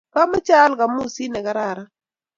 kamoche aal kamusit nekararan.